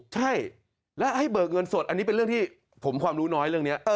ใช่แล้วให้เบิกเงินสดอันนี้เป็นเรื่องที่ผมความรู้น้อยเรื่องนี้